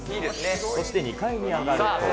そして２階に上がると。